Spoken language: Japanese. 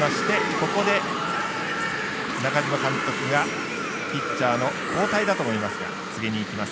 ここで、中嶋監督がピッチャーの交代だと思いますが次にいきます。